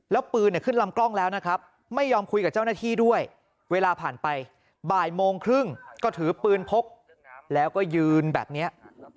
แล้วปืนขึ้นลำกล้องแล้วนะครับไม่ยอมคุยกับเจ้าหน้าที่ด้วยเวลาผ่านไปบ่ายโมงครึ่งก็ถือปืนพกแล้วก็ยืนแบบนี้